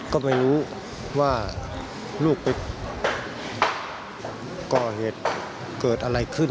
ก็ไม่รู้ว่าลูกไปก่อเหตุเกิดอะไรขึ้น